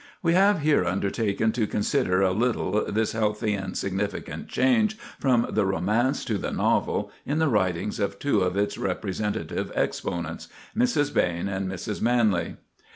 We have here undertaken to consider a little this healthy and significant change from the romance to the novel in the writings of two of its representative exponents—Mrs. Behn and Mrs. Manley.